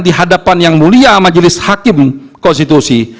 di hadapan yang mulia majelis hakim konstitusi